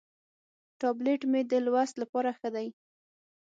ټابلیټ مې د لوست لپاره ښه دی.